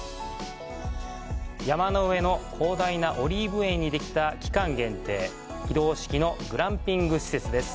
山の上の広大なオリーブ園にできた、期間限定、移動式のグランピング施設です。